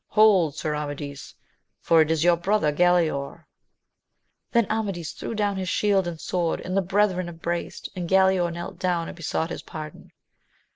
— Hold, Sir Amadis, for it is your brother Galaor ! Then Amadis threw down his shield and sword, and the brethren embraced, and Galaor knelt down and besought his pardon.